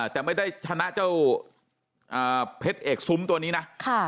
แต่ไม่ได้ชนะเจ้าเพชรเอกซุ้มตัวนี้นะ